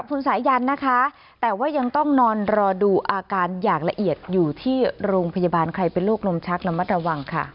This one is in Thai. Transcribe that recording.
อุ่มแล้วก็ไปไปแล้ว